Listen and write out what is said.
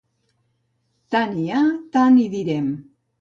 Tant hi ha, tant hi direm.